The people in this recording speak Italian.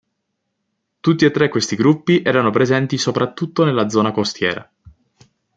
Tutti e tre questi gruppi erano presenti soprattutto nella zona costiera.